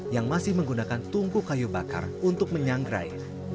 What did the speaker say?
yang masih menggunakan tungku kayu bakar untuk menyanggrai